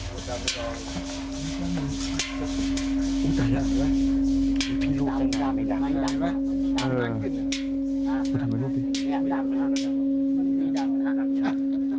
ขอลองรูปหน่อยสิ